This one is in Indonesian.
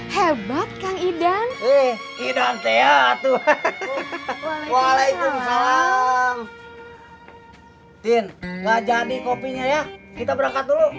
hebat kang idan idan teatual waalaikumsalam tin nggak jadi kopinya ya kita berangkat dulu